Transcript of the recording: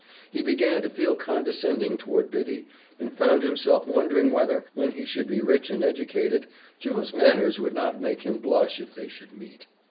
He began to feel condescending toward Biddy, and found himself wondering whether, when he should be rich and educated, Joe's manners would not make him blush if they should meet.